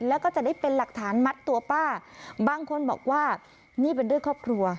แล้วก็จะได้เป็นหลักฐานมัดตัวป้าบางคนบอกว่านี่เป็นเรื่องครอบครัว